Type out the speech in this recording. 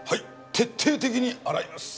徹底的に洗います。